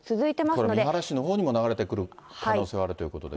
これ三原市のほうにも流れてくる可能性があるということです